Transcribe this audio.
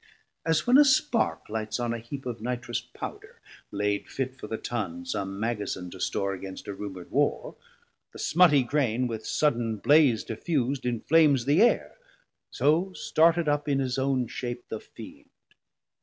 As when a spark Lights on a heap of nitrous Powder, laid Fit for the Tun som Magazin to store Against a rumord Warr, the Smuttie graine With sudden blaze diffus'd, inflames the Aire: So started up in his own shape the Fiend.